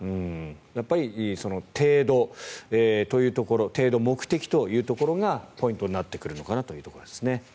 やっぱり程度というところ目的というところがポイントになってくるのかなというところです。